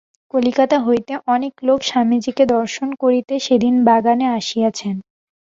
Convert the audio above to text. কলিকাতা হইতে অনেক লোক স্বামীজীকে দর্শন করিতে সেদিন বাগানে আসিয়াছেন।